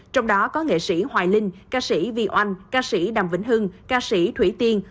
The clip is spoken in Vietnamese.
trong đó có nghệ sĩ hoài linh ca sĩ vy oanh ca sĩ đàm vĩnh hưng ca sĩ thủy tiên